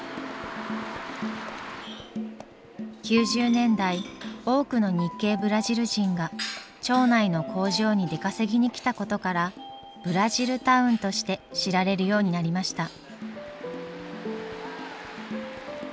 ９０年代多くの日系ブラジル人が町内の工場に出稼ぎに来たことからブラジルタウンとして知られるようになりました。